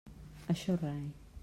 Això rai.